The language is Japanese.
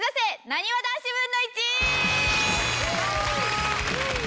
なにわ男子分の１！